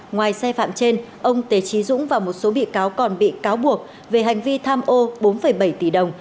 ngoài sai phạm trên ông tề trí dũng và một số bị cáo còn bị cáo buộc về hành vi tham ô bốn bảy tỷ đồng